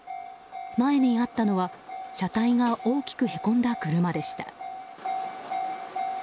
前にあったのは車体が大きくへこんだ車でした。